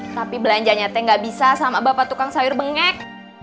tapi belanjanya teh gak bisa sama bapak tukang sayur bengek